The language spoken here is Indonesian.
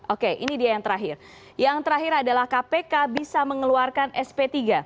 oke ini dia yang terakhir yang terakhir adalah kpk bisa mengeluarkan sp tiga